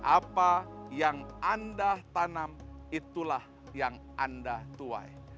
apa yang anda tanam itulah yang anda tuai